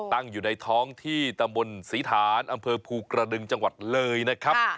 ตั้งอยู่ในท้องที่ตำบลศรีฐานอำเภอภูกระดึงจังหวัดเลยนะครับ